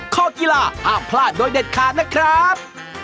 ข้อกีฬาห้ามพลาดโดยเด็ดขาดนะครับ